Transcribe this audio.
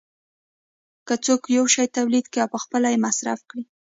که څوک یو شی تولید کړي او پخپله یې مصرف کړي